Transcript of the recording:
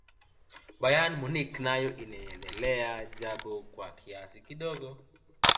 bayern munich nayo inaendea japo kwa kiasi kidogo